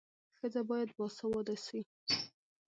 ښځه باید باسواده سي.